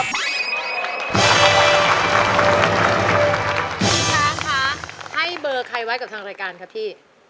พี่ช้างคะให้เบอร์ใครไว้กับทางรายการคะพี่